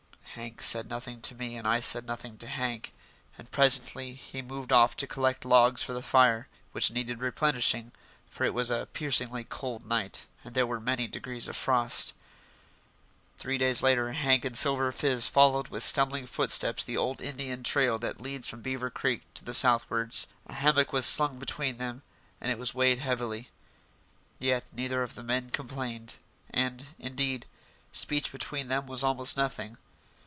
Hank said nothing to me and I said nothing to Hank, and presently he moved off to collect logs for the fire, which needed replenishing, for it was a piercingly cold night and there were many degrees of frost. Three days later Hank and Silver Fizz followed with stumbling footsteps the old Indian trail that leads from Beaver Creek to the southwards. A hammock was slung between them, and it weighed heavily. Yet neither of the men complained; and, indeed, speech between them was almost nothing.